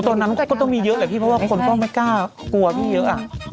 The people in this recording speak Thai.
ตอนนั้นก็ต้องมีเยอะแหละพี่เพราะว่าคนก็ไม่กล้ากลัวพี่เยอะ